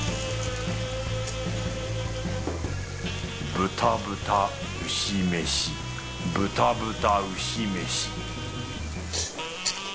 豚豚牛飯豚豚牛飯